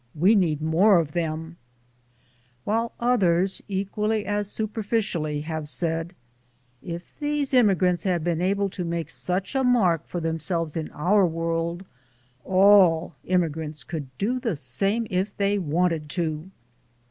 We need more of them"; while others, equally as superficially, have said: "If these immigrants have been able to make such a mark for themselves in our world, all immigrants could do the same if they wanted to."